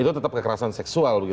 itu tetap kekerasan seksual begitu ya